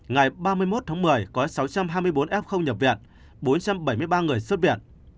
ngày ba mươi một tháng một mươi có sáu trăm hai mươi bốn f nhập viện bốn trăm bảy mươi ba người xuất viện